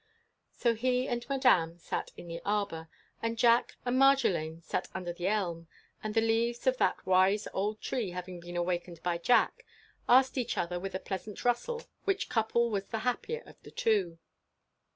So he and Madame sat in the arbour, and Jack and Marjolaine sat under the elm, and the leaves of that wise old tree having been awakened by Jack, asked each other with a pleasant rustle which couple was the happier of the two.